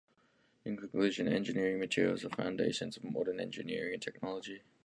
In conclusion, engineering materials are the foundation of modern engineering and technology.